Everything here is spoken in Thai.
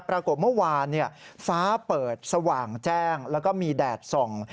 ปรากฏเมื่อวานฟ้าเปิดสว่างแจ้งแล้วก็มีแดดส่อง